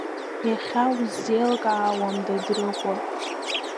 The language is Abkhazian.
Иахьа усзеилкаауам Дадрыҟәа!